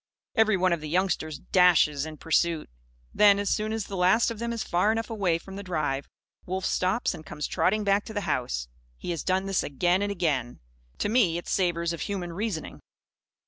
Every one of the youngsters dashes in pursuit. Then, as soon as the last of them is far enough away from the drive, Wolf stops and comes trotting back to the house. He has done this, again and again. To me, it savours of human reasoning.